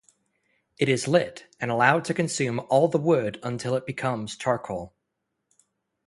It is lit and allowed to consume all the wood until it becomes charcoal.